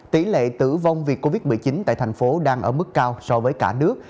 tỷ lệ tử vong vì covid một mươi chín tại thành phố đang ở mức cao so với cả nước